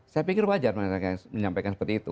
saya pikir wajar menyampaikan seperti itu